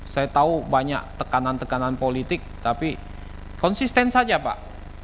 saya tahu banyak tekanan tekanan politik tapi konsisten saja pak